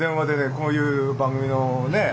こういう番組のね